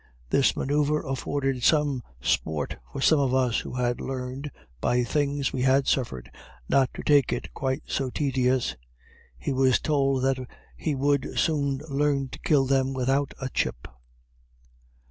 This manouvre afforded some sport for some of us who had learned, by things we had suffered, not to take it quite so tedious. He was told that he would soon learn to kill them without a chip.